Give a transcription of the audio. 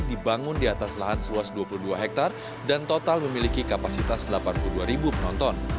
dibangun di atas lahan seluas dua puluh dua hektare dan total memiliki kapasitas delapan puluh dua ribu penonton